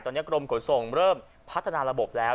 ตอนนี้กรมขนส่งเริ่มพัฒนาระบบแล้ว